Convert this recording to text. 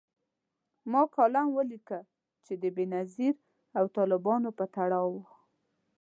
ما کالم ولیکه چي د بېنظیر او طالبانو په تړاو و